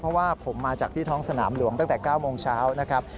เพราะว่าผมมาจากที่ท้องสนามหลวงตั้งแต่๙โมงเช้านะครับ